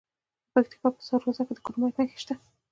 د پکتیکا په سروضه کې د کرومایټ نښې شته.